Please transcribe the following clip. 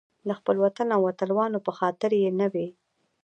د خپل وطن او وطنوالو په خاطر یې نه وي.